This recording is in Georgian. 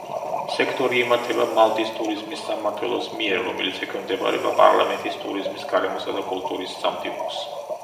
სექტორი იმართება მალტის ტურიზმის სამმართველოს მიერ, რომელიც ექვემდებარება პარლამენტის ტურიზმის, გარემოსა და კულტურის სამდივნოს.